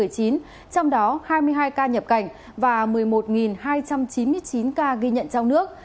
trong đó hai mươi hai ca nhập cảnh và một mươi một hai trăm chín mươi chín ca ghi nhận trong nước